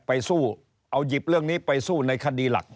ไปสู้เอาหยิบเรื่องนี้ไปสู้ในคดีหลัก